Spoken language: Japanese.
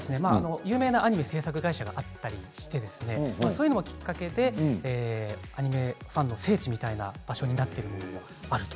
有名なアニメ制作会社があったりしてそういうのもきっかけでアニメファンの聖地みたいな場所になっているということもあると。